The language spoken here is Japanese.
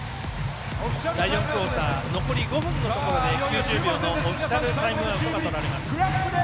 第４クオーター残り５分のところで９０秒のオフィシャルタイムアウトがとられます。